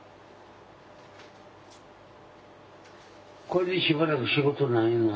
これでしばらく仕事ないの？